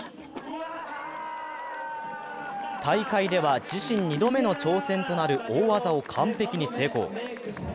大会では自身２度目の挑戦となる大技を完璧に成功。